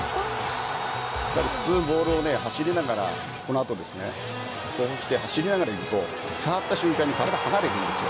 普通、ボールを走りながら走りながら行くと触った瞬間にまた離れるんですよ。